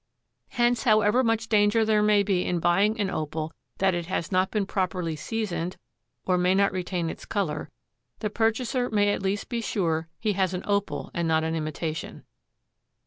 Hence, however much danger there may be in buying an Opal that it has not been properly "seasoned," or may not retain its color, the purchaser may at least be sure he has an Opal and not an imitation.